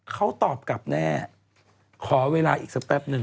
เขาตอบกลับแน่ขอเวลาอีกสักแป๊บหนึ่ง